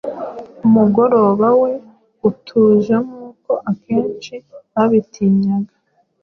Umugoroba we utujenkuko akenshi babitinyaga